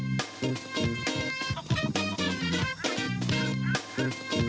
สวัสดีค่ะข้าวใส่ไทยสดใหม่เฮ้ยเยอะ